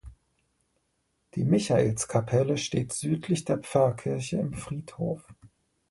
Die Michaelskapelle steht südlich der Pfarrkirche im Friedhof.